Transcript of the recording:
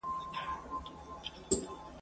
جهاني وم په یارانو نازېدلی !.